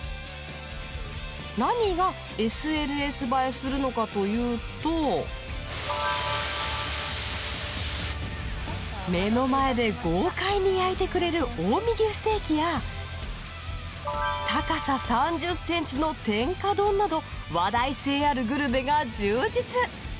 何がＳＮＳ映えするのかというと目の前で豪快に焼いてくれる近江牛ステーキや高さ３０センチの天下丼など話題性あるグルメが充実。